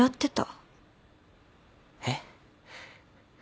えっ？